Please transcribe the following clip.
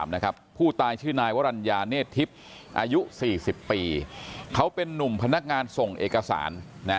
๘๓นะครับผู้ตายชื่อนวรรรณญาเนทิศอายุ๔๐ปีเขาเป็นนุ่มพนักงานส่งเอกสาร